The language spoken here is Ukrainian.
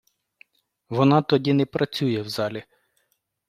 Вона тоді не працює в залі!